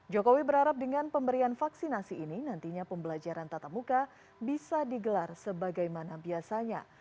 jokowi berharap dengan pemberian vaksinasi ini nantinya pembelajaran tatap muka bisa digelar sebagaimana biasanya